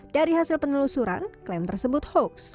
dari hasil penelusuran klaim tersebut hoax